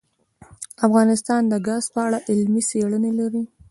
افغانستان د ګاز په اړه علمي څېړنې لري.